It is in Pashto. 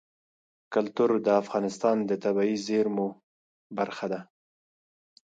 کلتور د افغانستان د طبیعي زیرمو برخه ده.